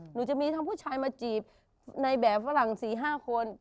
หนูจะมีทั้งผู้ชายมาจีบในแบบฝรั่ง๔๕คน